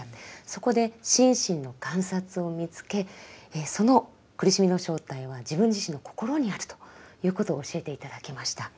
そこで心身の観察を見つけその苦しみの正体は自分自身の心にあるということを教えて頂きました。